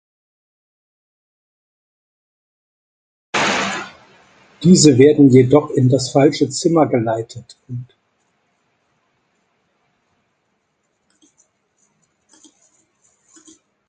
Diese werden jedoch in das falsche Zimmer geleitet.